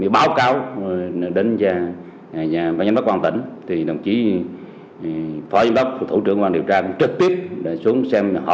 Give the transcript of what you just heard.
báo cáo đến nhà băng nhóm bắc quang tỉnh